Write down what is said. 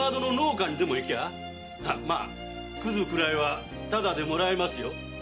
まあ屑くらいはただでもらえますよ。